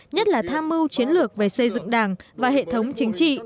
nhất là tham mưu chiến lược về xây dựng đảng và hệ thống chính trị